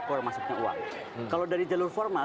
keluar masuknya uang kalau dari jalur formal